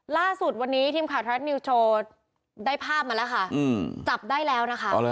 ล่าสุดวันนี้ทีมข่าวไทยรัฐนิวโชว์ได้ภาพมาแล้วค่ะจับได้แล้วนะคะ